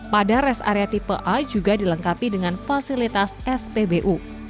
pada res area tipe a juga dilengkapi dengan fasilitas spbu